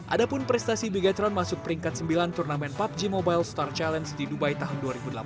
ada pun prestasi bigethron masuk peringkat sembilan turnamen pubg mobile star challenge di dubai tahun dua ribu delapan belas